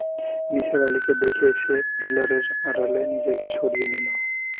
নিসার আলিকে দেখে সে পিলারের আড়ালে নিজেকে সরিয়ে নিল।